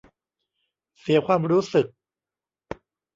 เสียความรู้สึก